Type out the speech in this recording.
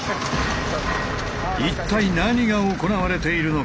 一体何が行われているのか。